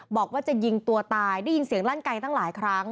บอกว่าจะยิงตัวตายได้ยินเสียงลั่นไกลตั้งหลายครั้ง